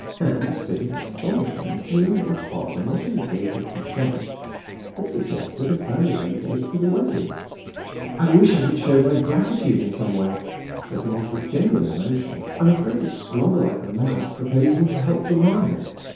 And to his astonishment Leonore's father not only gave his consent, but suggested a fairly early date for the wedding. "I wish I could show my gratitude in some way," said Mark with genuine emotion. "I'm afraid it's rather like the mouse proposing to help the lion."